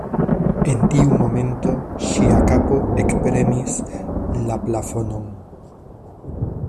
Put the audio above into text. En tiu momento ŝia kapo ekpremis la plafonon.